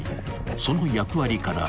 ［その役割から］